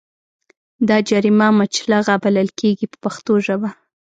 دا جریمه مچلغه بلل کېږي په پښتو ژبه.